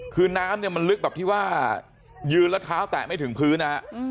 คือน้ำเนี่ยมันลึกแบบที่ว่ายืนแล้วเท้าแตะไม่ถึงพื้นนะฮะ